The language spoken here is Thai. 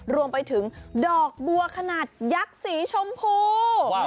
รวมไปถึงดอกบัวขนาดยักษ์สีชมพู